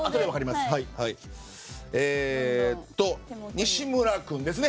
西村君ですね。